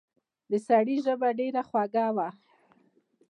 د سړي ژبه ډېره خوږه وه.